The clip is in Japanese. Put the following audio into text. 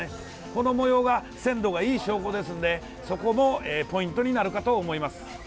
この模様が鮮度がいい証拠ですのでそこもポイントになるかと思います。